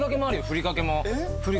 ふりかけも。